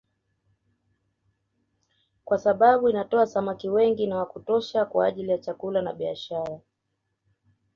Kwa sababu inatoa samaki wengi na wa kutosha kwa ajili ya chakula na biashara